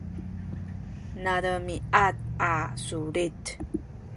nademiad a sulit